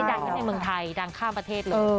ไม่ได้ดังกันในเมืองไทยดังข้ามประเทศเลย